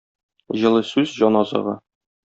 Җылы сүз җан азыгы.